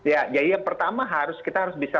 ya jadi yang pertama kita harus bisa